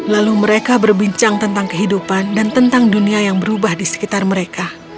lalu mereka berbincang tentang kehidupan dan tentang dunia yang berubah di sekitar mereka